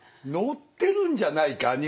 載ってるんじゃないか？